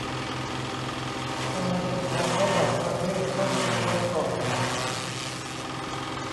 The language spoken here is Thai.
การเดินทางระหว่างประเทศต้องพักไว้ก่อน